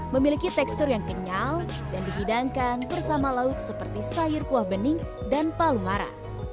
memiliki tekstur yang kenyal dan dihidangkan bersama lauk seperti sayur kuah bening dan palu mara